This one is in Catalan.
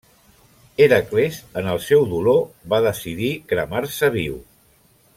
Hèracles, en el seu dolor, va decidir cremar-se viu.